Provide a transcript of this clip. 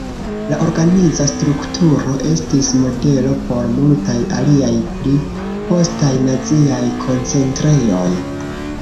La organiza strukturo estis modelo por multaj aliaj pli postaj naziaj koncentrejoj.